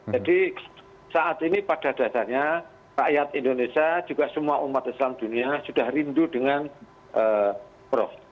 jadi saat ini pada dasarnya rakyat indonesia juga semua umat islam dunia sudah rindu dengan prof